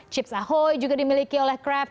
cips ahoy juga dimiliki oleh kraft